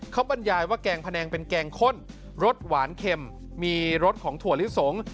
เขาบรรยายว่าแกงพะแงงเป็นแกงข้นรสหวานเข็มมีรสของถั่วลิสง